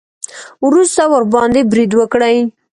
وروسته ورباندې برید وکړي.